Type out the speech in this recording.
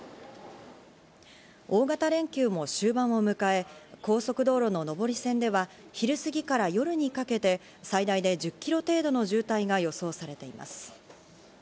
大型連休も終盤を迎え、高速道路の上り線では昼過ぎから夜にかけて最大で１０キロ程度の渋滞が予想されています。